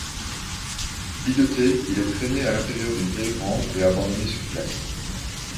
Ligoté, il est trainé à l'intérieur d'une vieille grange et abandonné sur place.